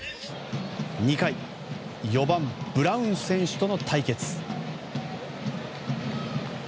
２回４番、ブラウン選手との対決。